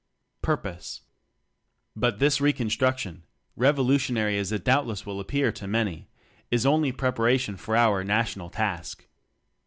Purpose. But this reconstruction revolu tionary as it doubtless will appear to many is only preparation for our National Task.